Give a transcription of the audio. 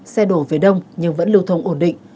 xe đổ về đông nhưng vẫn lưu thông ổn định